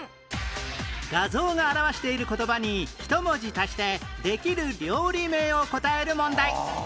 画像が表している言葉に１文字足してできる料理名を答える問題